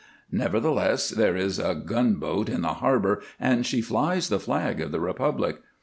"Nevertheless, there is a gunboat in the harbor and she flies the flag of the Republic.